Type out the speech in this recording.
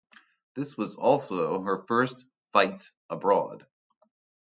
This was also her first fight abroad.